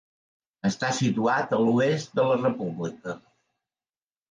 Està situat a l'oest de la república.